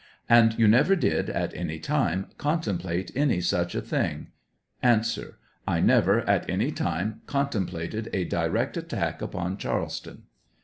And you never did, at any time, contemplate any such a thing? A. I never, at any time, contemplated a direct attack upon Charleston.